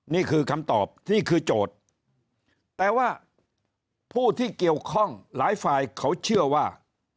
นี่คือคำตอบที่คือโจทย์แต่ว่าผู้ที่เกี่ยวข้องหลายฝ่ายเขาเชื่อว่า